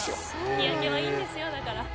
日焼けはいいんですよだから。